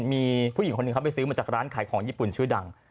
มีผู้หญิงคนหนึ่งเขาไปซื้อมาจากร้านขายของญี่ปุ่นชื่อดัง